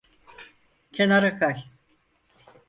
Kenara kay.